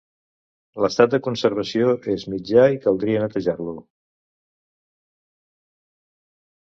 L'estat de conservació és mitjà i caldria netejar-lo.